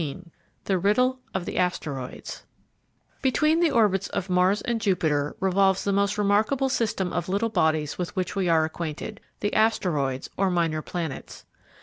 XIV The Riddle of the Asteroids Between the orbits of Mars and Jupiter revolves the most remarkable system of little bodies with which we are acquainted—the Asteroids, or Minor Planets.